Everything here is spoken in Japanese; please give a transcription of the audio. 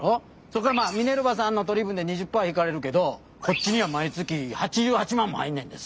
そこからまあミネルヴァさんの取り分で２０パー引かれるけどこっちには毎月８８万も入んねんで。